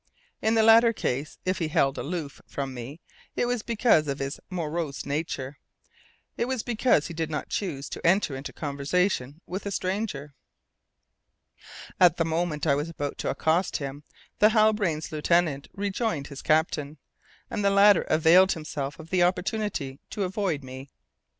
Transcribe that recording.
In the latter case, if he held aloof from me, it was because of his morose nature; it was because he did not choose to enter into conversation with a stranger. At the moment when I was about to accost him, the Halbrane's lieutenant rejoined his captain, and the latter availed himself of the opportunity to avoid me.